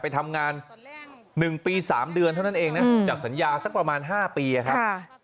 ไปทำงานหนึ่งปีสามเดือนเท่านั้นเองนะจากสัญญาสักประมาณห้าปีอ่ะครับ